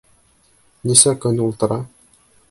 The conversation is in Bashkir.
— Нисә көн ултыра?